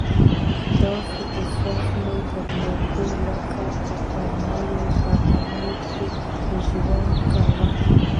داسې احساس مې درلود لکه په پخوانیو زمانو کې ژوند کوم.